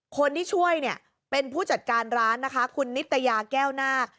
คนที่ช่วยเป็นผู้จัดการร้านคุณนิตยาแก้วนาค